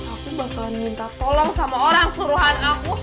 aku bakalan minta tolong sama orang seluruhan aku